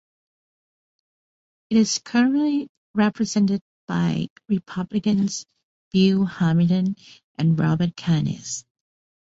It is currently represented by Republicans Bill Hamilton and Robert Karnes.